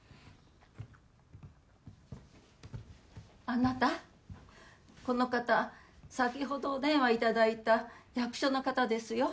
あなたこの方先ほどお電話頂いた役所の方ですよ。